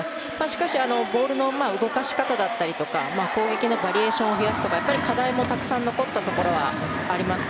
しかしボールの動かし方だったり攻撃のバリエーションを増やすとか課題もたくさん残ったところはあります。